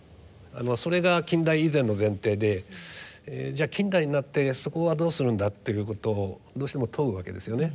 それが近代以前の前提でじゃあ近代になってそこはどうするんだっていうことをどうしても問うわけですよね。